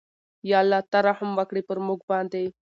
ېاالله ته رحم وکړې پرموګ باندې